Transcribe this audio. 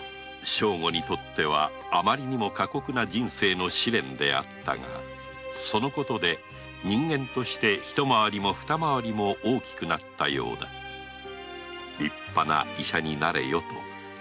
正吾にとっては余りにも過酷な人生の試練であったがそのことで人間として一回りも二回りも大きくなったようだ立派な医者になれよと心から願う吉宗であった